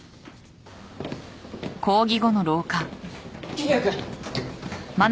桐矢君。